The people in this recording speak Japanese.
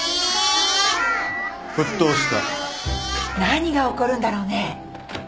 何が起こるんだろうね？